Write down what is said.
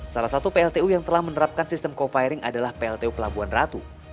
salah satu pltu yang telah menerapkan sistem co firing adalah pltu pelabuhan ratu